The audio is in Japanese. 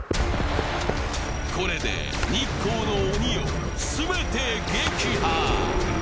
これで日光の鬼を全て撃破。